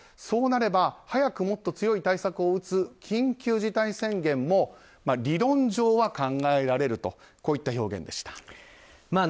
そうなれば早くもっと強い対策を打つ緊急事態宣言も理論上は考えられるといった表現でした。